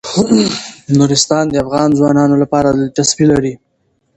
نورستان د افغان ځوانانو لپاره دلچسپي لري.